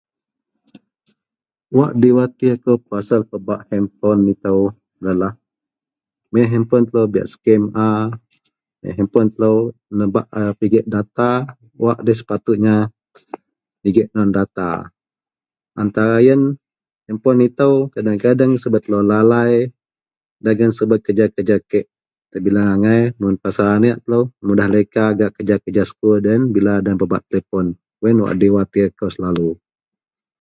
wak di watir ko pasel pebak hanpon ito yenlah, megeang handpon telo buyak scam aa ,megeang handpon telo nebak a pegek data, wak da sepatutnya negek kuman data antara yen handpon ito kadeng-kadeng subet telo lalai dagen subet keja-keja kek tebileng angai mun pasel anek telo mudah leka gak keja-keja sekul loyen, bila loyen pebak tepon, yen wak diwatir ko selalu